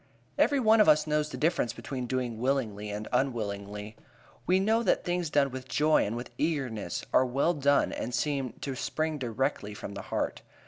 Every one of us knows the difference between doing willingly and unwillingly. We know that things done with joy and with eagerness are well done and seem to spring directly from the heart.